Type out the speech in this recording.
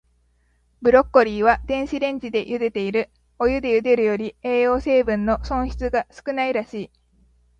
ブロッコリーは、電子レンジでゆでている。お湯でゆでるより、栄養成分の損失が少ないらしい。